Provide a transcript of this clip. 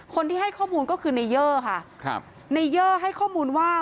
คนที่ให้ข้อมูลก็คือในเยอร์ค่ะครับในเยอร์ให้ข้อมูลว่า